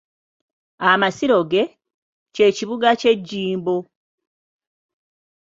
Amasiro ge, kye kibuga kye Jjimbo.